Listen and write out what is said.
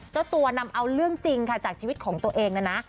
เจ้าตัวนำเอาเรื่องจริงค่ะจากชีวิตของตัวเองนะนะ